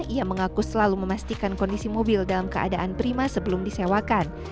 ia mengaku selalu memastikan kondisi mobil dalam keadaan prima sebelum disewakan